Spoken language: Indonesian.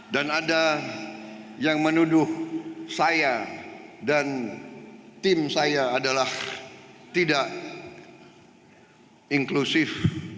dan ada yang menuduh saya dan tim saya adalah tidak inklusif